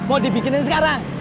mau dibikinin sekarang